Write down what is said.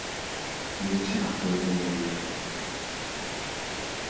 Většina filmu je jen nudná.